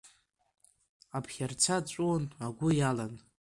Аԥхьарца ҵәуон, агәы иалан…